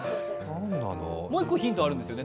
もう１個ヒントあるんですよね。